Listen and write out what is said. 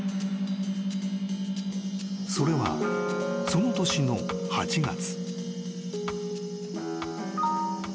［それはその年の８月］